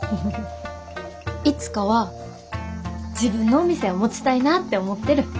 いつかは自分のお店を持ちたいなって思ってる。